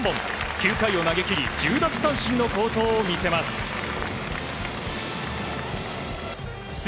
９回を投げ切り１０奪三振の好投を見せます。